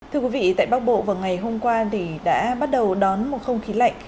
thưa quý vị tại bắc bộ vào ngày hôm qua thì đã bắt đầu đón một không khí lạnh